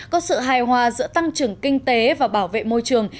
có sự hài hòa giữa tăng trưởng kinh tế và bảo vệ môi trường